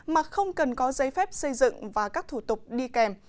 mà không cần có giấy phép xây dựng và các thủ tục đi kèm